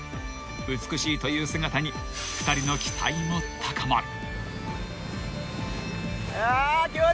［美しいという姿に２人の期待も高まる］